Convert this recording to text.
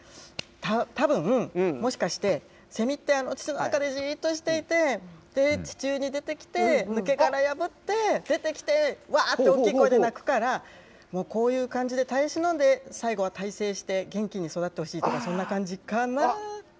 たぶん、もしかして、セミって土の中でじっとしていて、地中に出てきて、抜け殻破って出てきて、わーって大きい声で鳴くから、もう、こういう感じで耐え忍んで、最後は大成して元気に育ってほしいとか、そんな感じかなぁ？